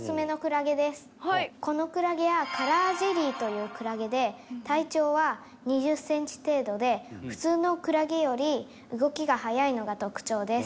このクラゲはカラージェリーというクラゲで体長は２０センチ程度で普通のクラゲより動きが速いのが特徴です。